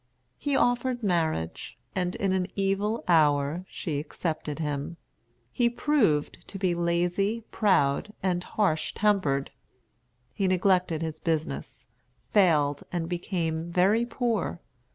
He offered marriage, and in an evil hour she accepted him. He proved to be lazy, proud, and harsh tempered. He neglected his business, failed, and became very poor.